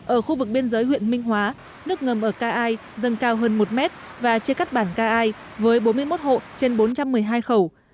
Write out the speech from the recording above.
ở khu vực biên giới huyện minh hóa nước ngầm ở ca ai dâng cao hơn một mét và chia cắt bản ca ai với bốn mươi một hộ trên bốn trăm một mươi hai khẩu